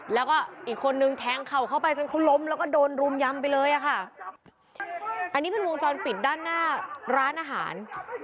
แล้วก็อีกคนนึงแทงเข่าเข้าไปจนเขาล้มแล้วก็โดนรุมยำไปเลยอ่ะค่ะอันนี้เป็นวงจรปิดด้านหน้าร้านอาหาร